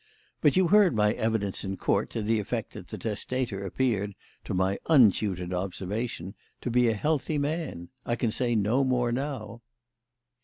But you heard my evidence in Court, to the effect that the testator appeared, to my untutored observation, to be a healthy man. I can say no more now."